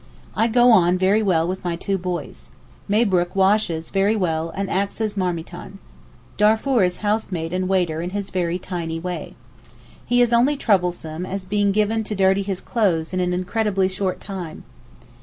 I go on very well with my two boys. Mabrook washes very well and acts as marmiton. Darfour is housemaid and waiter in his very tiny way. He is only troublesome as being given to dirty his clothes in an incredibly short time.